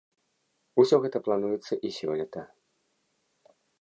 Усё гэта плануецца і сёлета.